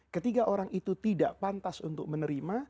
ketiga orang itu tidak pantas untuk menerima